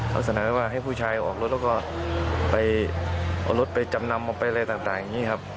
ลักษณะว่าให้ผู้ชายออกรถแล้วก็ไปเอารถไปจำนำเอาไปอะไรต่างอย่างนี้ครับ